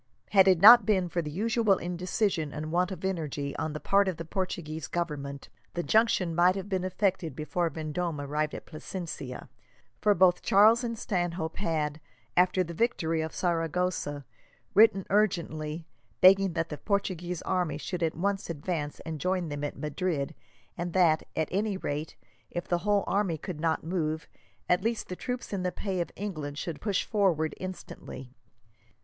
Had it not been for the usual indecision and want of energy on the part of the Portuguese Government, the junction might have been effected before Vendome arrived at Plasencia, for both Charles and Stanhope had, after the victory of Saragossa, written urgently, begging that the Portuguese army should at once advance and join them at Madrid; and that, at any rate, if the whole army could not move, at least the troops in the pay of England should push forward instantly.